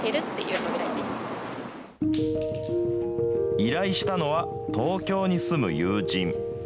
依頼したのは東京に住む友人。